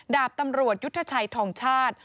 ดาบตำรวจยุทธชัยทองชาติ